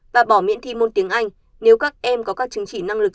và bỏ miễn thi môn tiếng anh nếu các em có các chứng chỉ năng lực